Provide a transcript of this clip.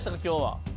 今日は。